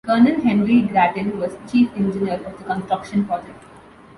Colonel Henry Grattan was Chief Engineer of the construction project.